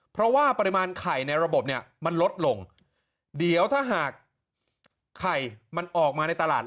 เพราะว่าปริมาณไข่ในระบบเนี่ยมันลดลงเดี๋ยวถ้าหากไข่มันออกมาในตลาด